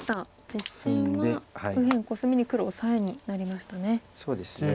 実戦は右辺コスミに黒オサエになりましたね。